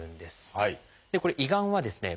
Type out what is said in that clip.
これ胃がんはですね